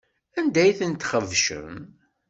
Anda ay ten-txebcem?